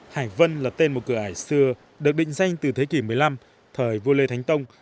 hải vân là tên một cửa hải xưa được định danh từ thế kỷ một mươi năm thời vua lê thánh tông